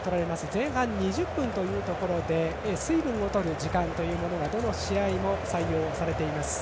前半２０分というところで水分をとる時間というのがどの試合も採用されています。